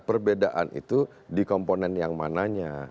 perbedaan itu di komponen yang mananya